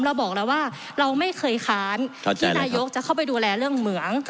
เราบอกแล้วว่าเราไม่เคยค้านที่นายกจะเข้าไปดูแลเรื่องเหมือง